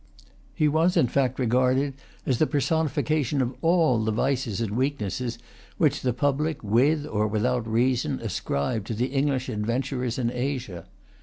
He was, in fact, regarded as the personification of all the vices and weaknesses which the public, with or without reason, ascribed to the English adventurers in Asia.